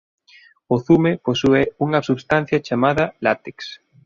O zume posúe unha substancia chamada látex.